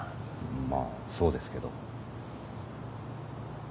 まあそうですけど。